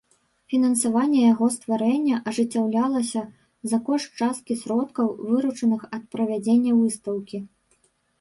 Фінансаванне яго стварэння ажыццяўлялася за кошт часткі сродкаў, выручаных ад правядзення выстаўкі.